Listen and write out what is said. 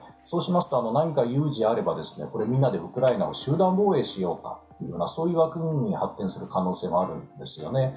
そうすると、何か有事があればみんなでウクライナを集団防衛しようかという枠組みに発展する可能性もあるんですよね。